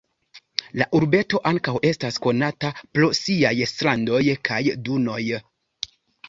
La urbeto ankaŭ estas konata pro siaj strandoj kaj dunoj.